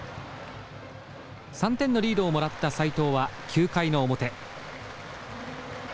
３点のリードをもらった斎藤は９回の表。